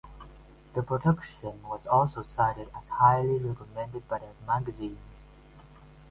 The production was also cited as Highly Recommended by the magazine.